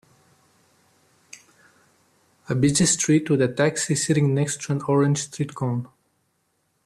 A busy street with a taxi sitting next to a orange streetcone